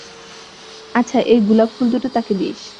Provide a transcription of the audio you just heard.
আচ্ছা, এই গোলাপ ফুল দুটো তাঁকে দিস।